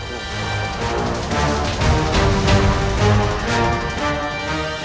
aku akan membantu